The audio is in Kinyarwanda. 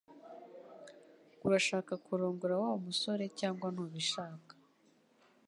Urashaka kurongora Wa musore cyangwa ntubishaka